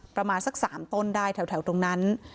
ประมาณสัก๓ต้นได้แถวตรงนั้น